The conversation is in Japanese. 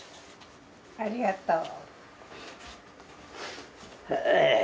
ありがとう。